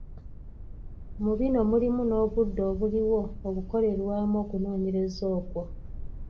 Mu bino mulimu n’obudde obuliwo okukolerwamu okunoonyereza okwo.